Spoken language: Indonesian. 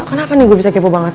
kenapa nih gue bisa kepo banget